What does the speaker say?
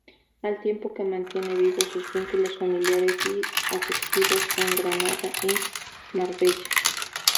Al tiempo que mantiene vivos sus vínculos familiares y afectivos en Granada y Marbella.